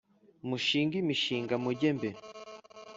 mushinge imishinga mujye mbere